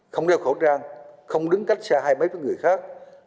không đeo khẩu trang không đứng cách xa hai mấy với người khác